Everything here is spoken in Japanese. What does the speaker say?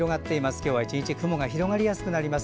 今日は１日雲が広がりやすくなります。